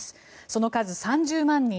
その数３０万人。